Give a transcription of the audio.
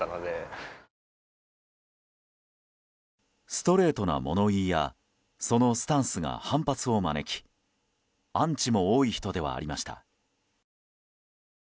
ストレートな物言いやそのスタンスが反発を招きアンチも多い人ではありました。